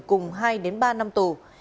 cùng hai đến ba năm tù